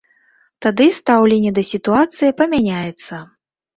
Тады і стаўленне да сітуацыі памяняецца.